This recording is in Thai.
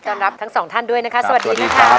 รับทั้งสองท่านด้วยนะคะสวัสดีนะครับ